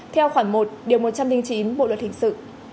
theo khoảng một một trăm linh chín bộ luật hình sự